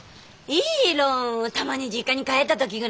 いいろたまに実家に帰った時ぐらい。